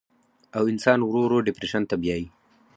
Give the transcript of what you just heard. او انسان ورو ورو ډپرېشن ته بيائي